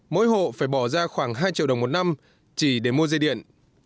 mỗi hộ phải bỏ ra khoảng hai triệu đồng một năm chỉ để mua dây điện